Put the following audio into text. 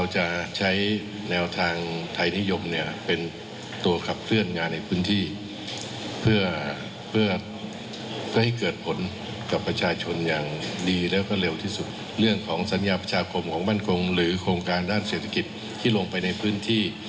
หรือโครงการด้านเศรษฐกิจที่ลงไปในพื้นที่